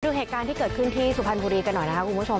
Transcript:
ดูเหตุการณ์ที่เกิดขึ้นที่สุพรรณบุรีกันหน่อยนะครับคุณผู้ชม